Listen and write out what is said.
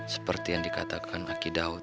seperti yang dikatakan aki daud